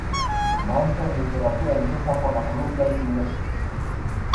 Maestra de literatura inglesa por la Columbia University.